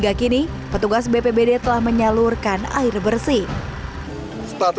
teratasi dengan cepat dan amat hingga kini petugas bppb telah menyalurkan air bersih tatu